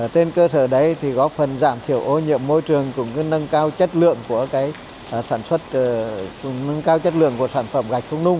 trên cơ sở đấy thì có phần giảm thiểu ô nhiệm môi trường cũng như nâng cao chất lượng của sản phẩm gạch không nung